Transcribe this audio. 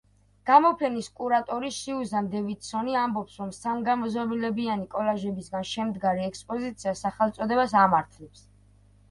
გამოფენის კურატორი სიუზან დევიდსონი ამბობს, რომ სამგანზომილებიანი კოლაჟებისგან შემდგარი ექსპოზიცია სახელწოდებას ამართლებს.